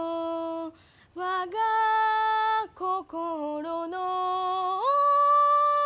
「我が心の」